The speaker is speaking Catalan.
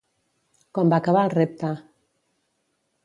Com va acabar el repte?